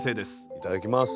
いただきます！